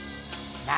何？